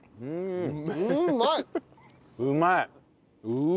うまい！